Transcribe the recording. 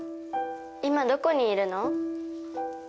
今どこにいるの？